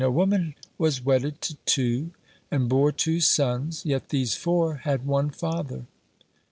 "A woman was wedded to two, and bore two sons, yet these four had one father?"